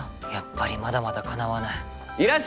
やっぱりまだまだかなわない。